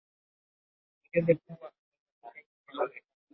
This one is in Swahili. uongeza kuwa anauhakika nchi ya marekani